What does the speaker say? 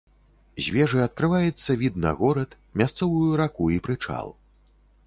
З вежы адкрываецца від на горад, мясцовую раку і прычал.